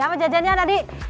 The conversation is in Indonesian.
apa jajannya tadi